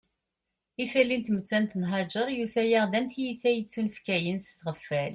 Isalli n tmettant n Haǧer yusa-aɣ-d am tiyita yettunefkayen s tɣeffal